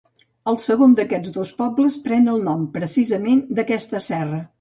El segon d'aquests dos pobles pren el nom, precisament, d'aquesta serra.